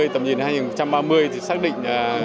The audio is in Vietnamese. tầm nhìn đến hai nghìn ba mươi thì xác định